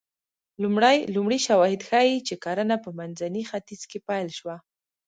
لومړي شواهد ښيي چې کرنه په منځني ختیځ کې پیل شوه